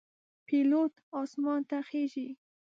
پیلوټ آسمان ته خیژي.